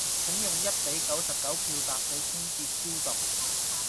請用一比九十九漂白水清潔消毒